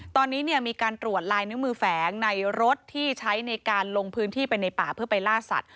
ตอนนี้มีการตรวจลายนิ้วมือแฝงในรถที่ใช้ในการลงพื้นที่ไปในป่าเพื่อไปล่าสัตว